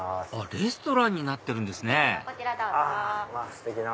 レストランになってるんですねステキな。